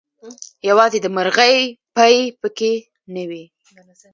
يوازې دمرغۍ پۍ پکې نه وې